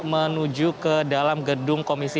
menuju ke dalam gedung komisi